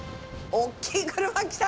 おっきい車来た！